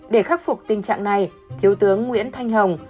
để khắc phục tình trạng này thiếu tướng nguyễn thanh hồng